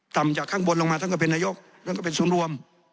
จากข้างบนลงมาท่านก็เป็นนายกท่านก็เป็นศูนย์รวม